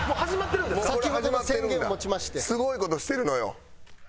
すごい事してるのよ。